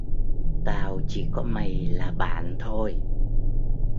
Tao chỉ có mày là bạn thôi